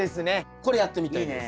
これやってみたいです。